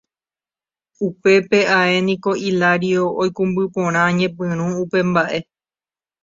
Upépe ae niko Hilario oikũmby porã ñepyrũ upe mbaʼe.